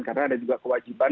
karena ada juga kewajiban